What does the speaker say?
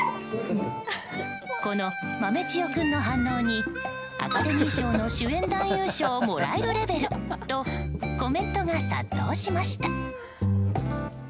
この豆千代君の反応にアカデミー賞の主演男優賞をもらえるレベルとコメントが殺到しました。